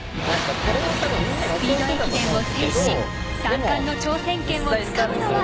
スピード駅伝を制し３冠の挑戦権をつかむのは。